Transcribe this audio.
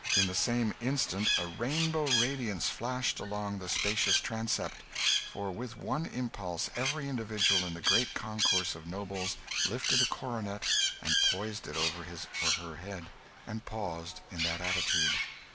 In the same instant a rainbow radiance flashed along the spacious transept; for with one impulse every individual in the great concourse of nobles lifted a coronet and poised it over his or her head and paused in that attitude.